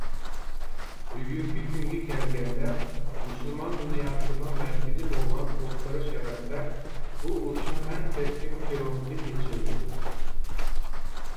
بۈگۈنكى كۈنگە كەلگەندە مۇسۇلمان دۇنياسىنىڭ مەركىزى بولغان ئوتتۇرا شەرقتە بۇ ئۇرۇشنىڭ ئەڭ كەسكىن فىرونتى ئېچىلدى.